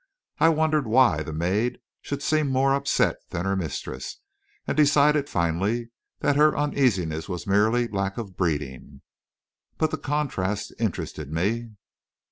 I wondered why the maid should seem more upset than her mistress, and decided finally that her uneasiness was merely lack of breeding. But the contrast interested me.